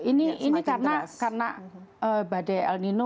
ini karena badai el nino